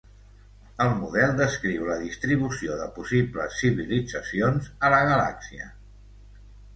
El model descriu la distribució de possibles civilitzacions a la galàxia.